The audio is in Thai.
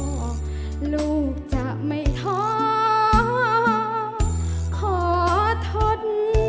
เพลงที่สองเพลงมาครับ